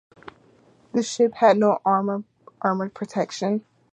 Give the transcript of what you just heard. The ship had no armor protection.